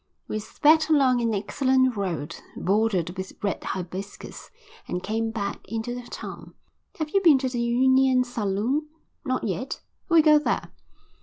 We sped along an excellent road, bordered with red hibiscus, and came back into the town. "Have you been to the Union Saloon?" "Not yet." "We'll go there."